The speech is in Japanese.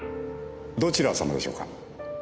どちら様でしょうか？